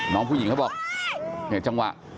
น้องผู้หญิงเขาบอกเนี่ยจังหวะ